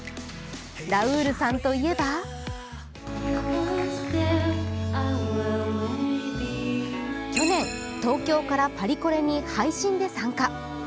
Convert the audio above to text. ラウールさんといえば去年、東京からパリコレに配信で参加。